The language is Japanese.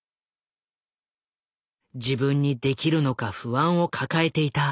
自分にできるのか不安を抱えていたミズドラック。